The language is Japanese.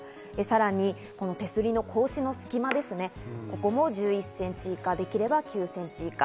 さらにこの手すりの格子の隙間ですね、ここも１１センチ以下、できれば９センチ以下。